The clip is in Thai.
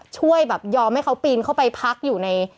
ช่วยแบบยอมให้เขาปีนเข้าไปพักอยู่ใน